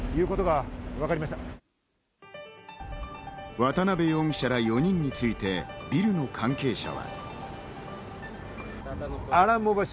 渡辺容疑者ら４人について、ビルの関係者は。